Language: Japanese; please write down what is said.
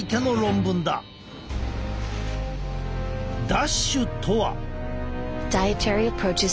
ＤＡＳＨとは。